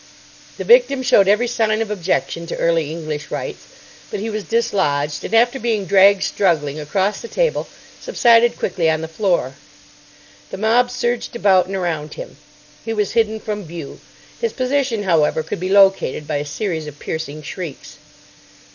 The victim showed every sign of objection to early English rites; but he was dislodged, and after being dragged, struggling, across the table, subsided quickly on the floor. The mob surged about and around him. He was hidden from view. His position, however, could be located by a series of piercing shrieks.